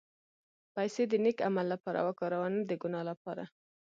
پېسې د نېک عمل لپاره وکاروه، نه د ګناه لپاره.